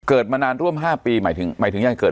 เกิดมานานร่วม๕ปีหมายถึงยังไง